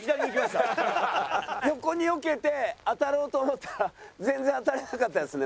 横によけて当たろうと思ったら全然当たれなかったですね。